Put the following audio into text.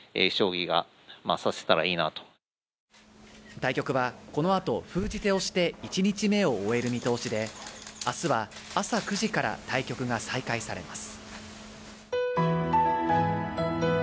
対局は、このあと封じ手をして、１日目を終える見通しで、明日は朝９時から対局が再開されます。